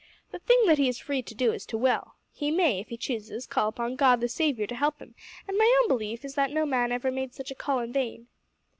The thing that he is free to do is to will. He may, if he chooses, call upon God the Saviour to help him; an' my own belief is that no man ever made such a call in vain."